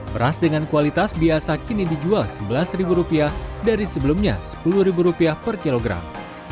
beras dengan kualitas biasa kini dijual rp sebelas dari sebelumnya rp sepuluh per kilogram